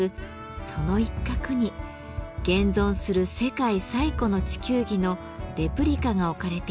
その一角に現存する世界最古の地球儀のレプリカが置かれています。